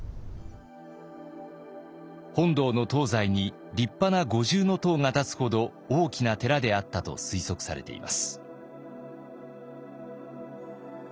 本堂の東西に立派な五重塔が建つほど大きな寺であったと推測されています。